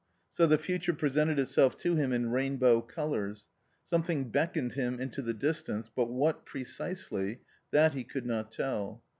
So the future presented itself to him in rainbow colours. Something beckoned him into the distance, but what precisely, that he could not tell.